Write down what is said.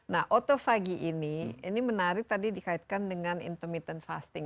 nah otofagi ini ini menarik tadi dikaitkan dengan intermittent fasting